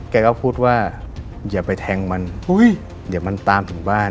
แกก็พูดว่าอย่าไปแทงมันอุ้ยเดี๋ยวมันตามถึงบ้าน